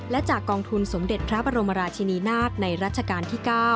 และจากกองทุนสมเด็จพระบรมราชินีนาฏในรัชกาลที่๙